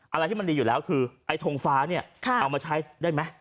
อะไรที่มันดีอยู่แล้วคือไอ้ทงฟ้าเนี่ยเอามาใช้ได้ไหม